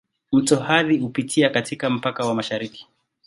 Mto Athi hupitia katika mpaka wa mashariki.